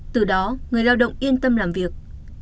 từ đó người lao động yên tâm làm việc